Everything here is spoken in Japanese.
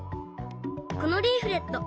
このリーフレット